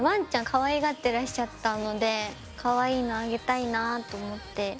かわいがってらっしゃったのでかわいいのあげたいなと思って。